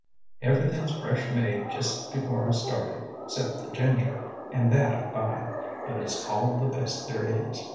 "Everythin' 's fresh made just before I started, 'cept the ginger, an' that I buy, but it's called the best there is."